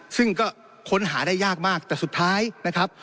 ซึ่งก็ค้นหาได้ยากมากแต่สุดท้ายนะครับ